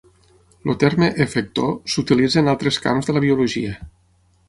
El terme "efector" s'utilitza en altres camps de la biologia.